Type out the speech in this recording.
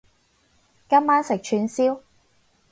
今晚食串燒